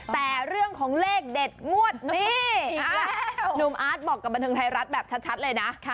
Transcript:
แต่เรื่องของเลขเด็ดงวดนี้หนุ่มอาร์ตบอกกับบันเทิงไทยรัฐแบบชัดเลยนะ